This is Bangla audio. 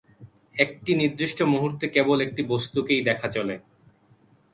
একটি নির্দিষ্ট মুহূর্তে কেবল একটি বস্তুকেই দেখা চলে।